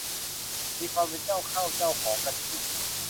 มีความเป็นเจ้าเข้าเจ้าของกันสูง